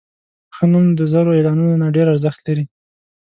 ښه نوم د زرو اعلانونو نه ډېر ارزښت لري.